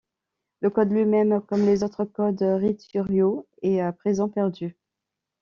Le code lui-même, comme les autres codes ritsuryō, est à présent perdu.